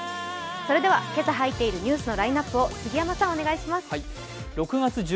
それでは今朝入っているニュースのラインナップを杉山さんお願いします。